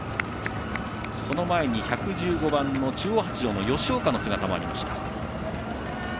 その前に１１５番の中央発條の吉岡の姿もありました。